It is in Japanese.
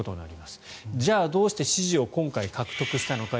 じゃあどうして支持を今回、獲得したのか。